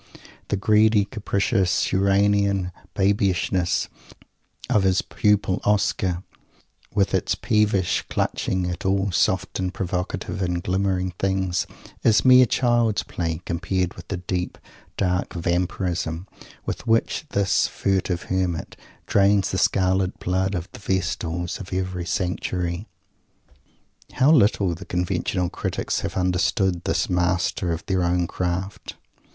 The greedy, capricious "Uranian Babyishness" of his pupil Oscar, with its peevish clutching at all soft and provocative and glimmering things, is mere child's play, compared with the deep, dark Vampirism with which this furtive Hermit drains the scarlet blood of the Vestals of every Sanctuary. How little the conventional critics have understood this master of their own craft!